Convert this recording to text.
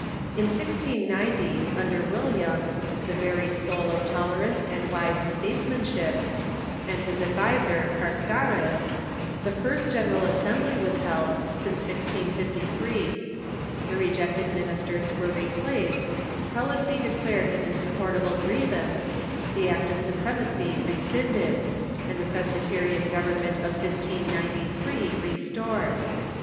In 1G90, under AVilliam (the very soul of tolerance and wise statesman sliip), and his adviser, Carstares, the first General Assembly was held since 1G53 ; the rejected ministers were rejjlaced, prelacy declared an insupportable grievance, the Act of Supremacy rescinded, and the Presbyterian government of 1593 restored.